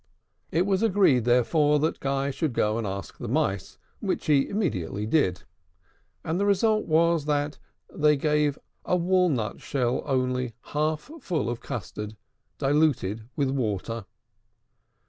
It was agreed, therefore, that Guy should go and ask the Mice, which he immediately did; and the result was, that they gave a walnut shell only half full of custard diluted with water.